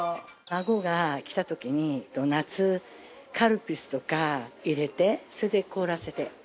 孫が来た時に夏カルピスとか入れてそれで凍らせて。